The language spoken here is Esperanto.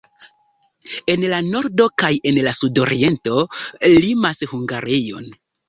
En la nordo kaj en la sudoriento limas Hungarion.